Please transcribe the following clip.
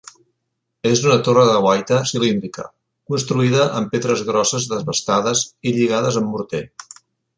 És una torre de guaita cilíndrica, construïda amb pedres grosses desbastades i lligades amb morter.